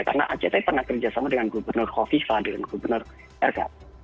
karena act pernah kerjasama dengan gubernur kofifa dan gubernur rk